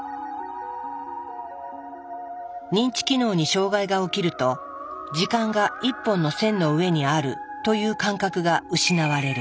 認知機能に障害が起きると時間が１本の線の上にあるという感覚が失われる。